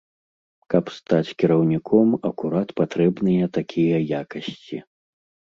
Каб стаць кіраўніком акурат патрэбныя такія якасці.